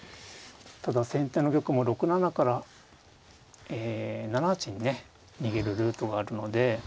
ただ先手の玉も６七からえ７八にね逃げるルートがあるので。